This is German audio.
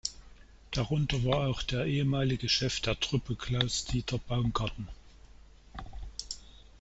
Darunter war auch der ehemalige Chef der Truppe Klaus-Dieter Baumgarten.